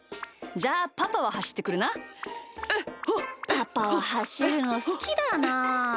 パパははしるのすきだな。